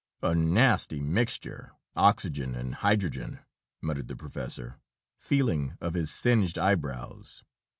"A nasty mixture, oxygen and hydrogen," muttered the professor, feeling of his singed eyebrows.